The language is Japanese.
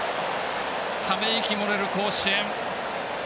ため息漏れる、甲子園。